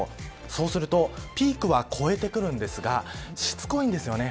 そうするとピークは越えてきますがしつこいんですよね。